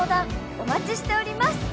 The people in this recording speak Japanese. お待ちしております